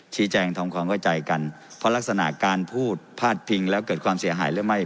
ชี้แจงทำความเข้าใจกันเพราะลักษณะการพูดพาดพิงแล้วเกิดความเสียหายหรือไม่